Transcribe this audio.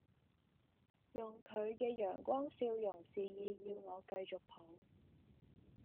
用佢嘅陽光笑容示意要我繼續抱